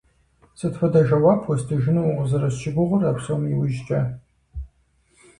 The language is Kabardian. Сыт хуэдэ жэуап уэстыжыну укъызэрысщыгугъыр а псом иужькӀэ?